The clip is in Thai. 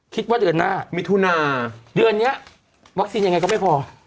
คิดว่าเดือนหน้ามิถุนาเดือนนี้วัคซีนยังไงก็ไม่พอ